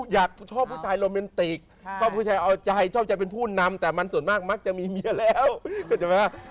อยากชอบผู้ชายโรเมนติกชอบผู้ชายเอาใจชอบใจเป็นผู้นำแต่มันส่วนมากมักจะมีเมียแล้วใช่ไหม